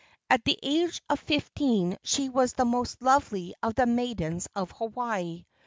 At the age of fifteen she was the most lovely of the maidens of Hawaii.